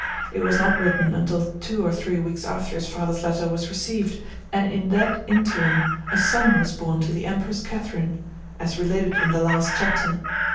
It was not written until two or three weeks after his father's letter was received, and in that interim a son was born to the Empress Catharine, as related in the last chapter.